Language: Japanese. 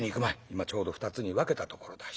今ちょうど２つに分けたところだ。